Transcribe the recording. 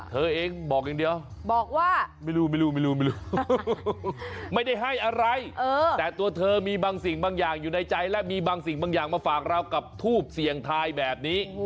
เธอเองบอกอย่างเดียวบอกว่าไม่รู้ไม่รู้ไม่รู้ไม่ได้ให้อะไรแต่ตัวเธอมีบางสิ่งบางอย่างอยู่ในใจและมีบางสิ่งบางอย่างมาฝากเรากับทูบเสี่ยงทายแบบนี้